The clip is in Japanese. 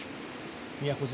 宮古島、